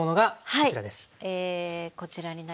こちらになります。